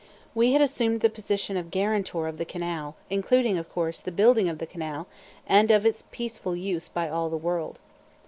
We had assumed the position of guarantor of the canal, including, of course, the building of the canal, and of its peaceful use by all the world.